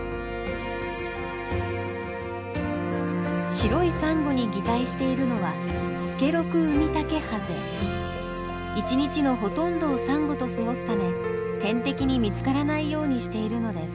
白いサンゴに擬態しているのは一日のほとんどをサンゴと過ごすため天敵に見つからないようにしているのです。